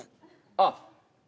あっ。